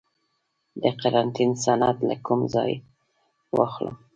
د قرنطین سند له کوم ځای واخلم؟